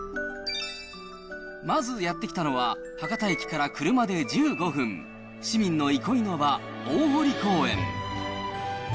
まずやって来たのは、博多駅から車で１５分、市民の憩いの場、大濠公園。